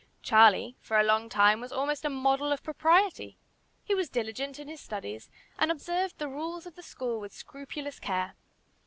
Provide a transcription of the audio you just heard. Charlie, for a long time, was almost a model of propriety. He was diligent in his studies, and observed the rules of the school with scrupulous care.